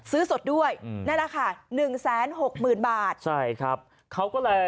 ซื้อสดด้วยนั่นแหละค่ะ